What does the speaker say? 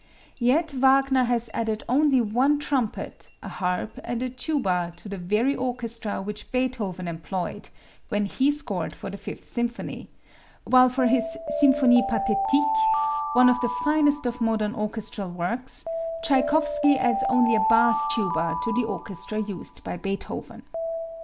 Yet Wagner has added only one trumpet, a harp and a tuba to the very orchestra which Beethoven employed when he scored for the Fifth Symphony; while for his "Symphonie Pathétique," one of the finest of modern orchestral works, Tschaikowsky adds only a bass tuba to the orchestra used by Beethoven.